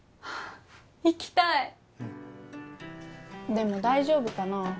でも大丈夫かな？